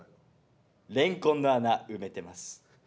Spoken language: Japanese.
レンコンの穴埋めてます。